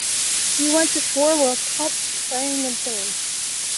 He went to four World Cups, playing in three.